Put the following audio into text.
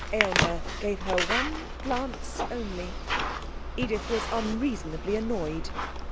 Aylmer gave her one glance only. Edith was unreasonably annoyed.